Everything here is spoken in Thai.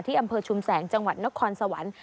อำเภอชุมแสงจังหวัดนครสวรรค์